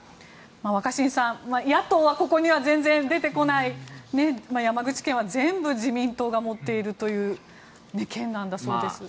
若新さん野党はここには全然出てこない山口県は全部自民党が持っているという県なんだそうです。